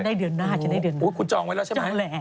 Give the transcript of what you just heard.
จะได้เดือนหน้าจะได้เดือนหน้าจ้องแล้วคุณจองไว้แล้วใช่ไหม